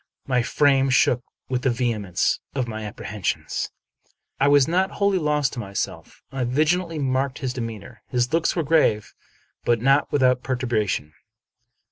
My frame shook with the vehemence of my ap prehensions. Yet I was not wholly lost to myself; I vigilantly marked his demeanor. His looks were grave, but not without per turbation.